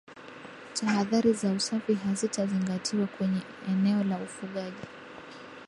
Tahadhari za usafi hazitazingatiwa kwenye eneo la ufugaji